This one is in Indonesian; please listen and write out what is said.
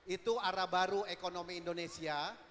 itu arah baru ekonomi indonesia